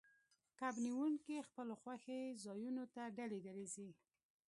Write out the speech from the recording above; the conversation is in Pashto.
کب نیونکي خپلو خوښې ځایونو ته ډلې ډلې ځي